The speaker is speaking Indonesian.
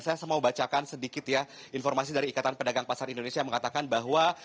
saya mau bacakan sedikit ya informasi dari ikatan pedagang pasar indonesia yang mengatakan bahwa